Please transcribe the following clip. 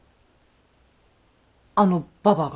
あのババが。